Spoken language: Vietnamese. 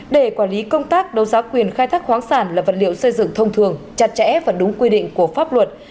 để quản lý công tác đấu giá quyền khai thác khoáng sản là vật liệu xây dựng thông thường chặt chẽ và đúng quy định của pháp luật